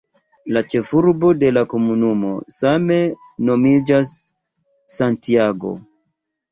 La ĉefurbo de la komunumo same nomiĝas "Santiago".